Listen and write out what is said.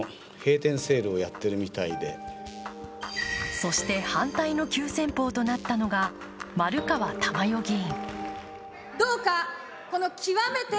そして、反対の急先鋒となったのが丸川珠代議員。